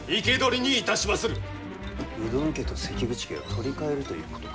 家と関口家を取り替えるということか。